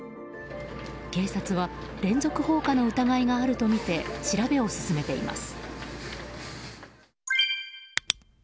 警察は連続放火の疑いがあるとみて調べを進めています。